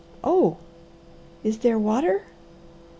"Oh, is there water?"